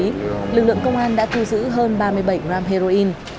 đáng chú ý lực lượng công an đã thu giữ hơn ba mươi bảy gram heroin